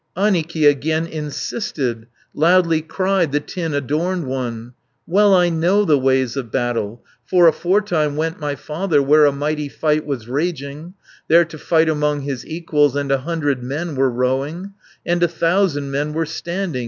160 Annikki again insisted, Loudly cried the tin adorned one: "Well I know the ways of battle, For aforetime went my father Where a mighty fight was raging, There to fight among his equals, And a hundred men were rowing, And a thousand men were standing.